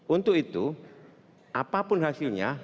untuk itu apapun hasilnya